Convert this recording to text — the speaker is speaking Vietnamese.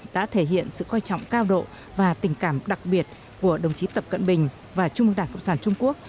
đã thể hiện sự coi trọng cao độ và tình cảm đặc biệt của đồng chí tập cận bình và trung ương đảng cộng sản trung quốc